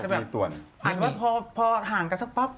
มีส่วนอาจจะแบบว่าพอห่างกันซักป๊อบ